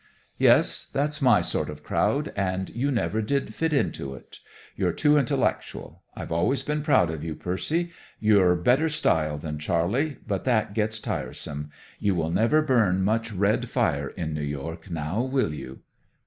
"Yes, that's my sort of crowd, and you never did fit into it. You're too intellectual. I've always been proud of you, Percy. You're better style than Charley, but that gets tiresome. You will never burn much red fire in New York, now, will you?"